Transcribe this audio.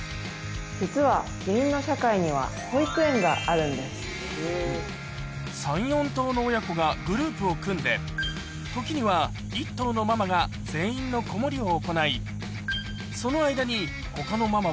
実はキリンの社会には保育園３、４頭の親子がグループを組んで、ときには１頭のママが全員の子守りを行い、その間に、ほかのママ